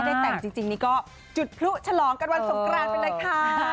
ได้แต่งจริงนี่ก็จุดพลุฉลองกันวันสงกรานไปเลยค่ะ